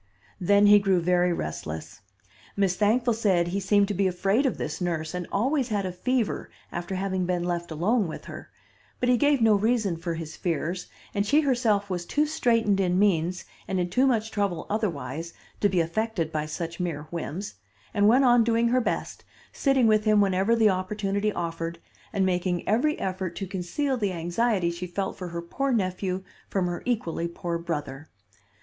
Then he grew very restless. Miss Thankful said he seemed to be afraid of this nurse, and always had a fever after having been left alone with her; but he gave no reason for his fears, and she herself was too straitened in means and in too much trouble otherwise to be affected by such mere whims, and went on doing her best, sitting with him whenever the opportunity offered, and making every effort to conceal the anxiety she felt for her poor nephew from her equally poor brother.